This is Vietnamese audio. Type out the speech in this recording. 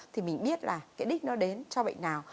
thì mình biết là cái đích nó đến cho bệnh nào